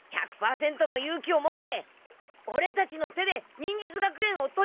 １００％の勇気を持ってオレたちの手で忍術学園を取り返そう！